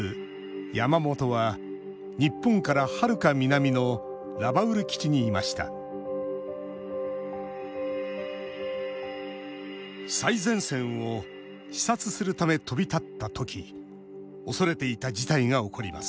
山本は日本からはるか南のラバウル基地にいました最前線を視察するため飛び立ったとき恐れていた事態が起こります。